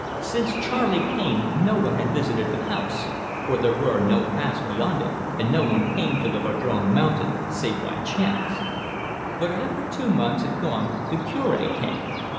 Since Charley came no one had visited the house, for there were no paths beyond it, and no one came to the Vadrome Mountain, save by chance. But after two months had gone the Cure came.